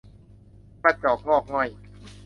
กระจอกงอกง่อย